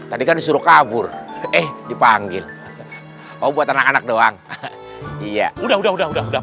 tadi kan disuruh kabur eh dipanggil oh buat anak anak doang iya udah udah udah